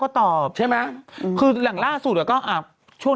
๒คนเขาง้อกัน